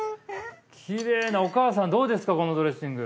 きれいなお母さんどうですかこのドレッシング。